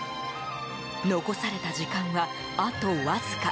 残された時間は、あとわずか。